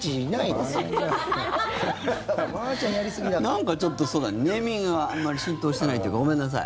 なんかちょっとネーミングがあんまり浸透してないというかごめんなさい。